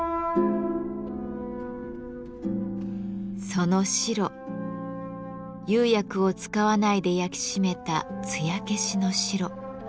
その白釉薬を使わないで焼き締めた艶消しの白。